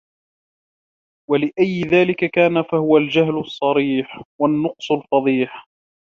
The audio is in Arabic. وَلِأَيِّ ذَلِكَ كَانَ فَهُوَ الْجَهْلُ الصَّرِيحُ ، وَالنَّقْصُ الْفَضِيحُ